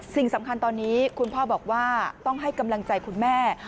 สิ่งสำคัญตอนนี้คุณพ่อบอกว่าต้องให้กำลังใจคุณแม่